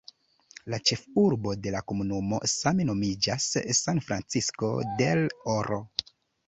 La ĉefurbo de la komunumo same nomiĝas "San Francisco del Oro".